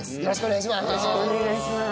よろしくお願いします。